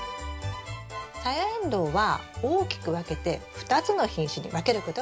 サヤエンドウは大きく分けて２つの品種に分けることができます。